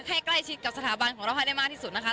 ให้ใกล้ชิดกับสถาบันของเราให้ได้มากที่สุดนะคะ